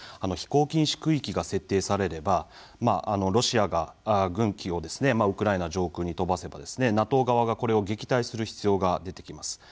飛行禁止区域が設定されればロシアが軍機をウクライナ上空に飛ばせばＮＡＴＯ側がこれを撃退する必要が出てきます。